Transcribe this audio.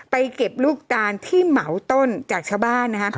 ไปเก็บลูกตาลที่เหมาต้นจากชาวบ้าน